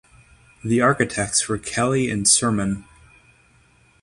The architects were Kelly and Surman.